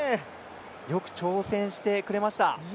よく挑戦してくれました。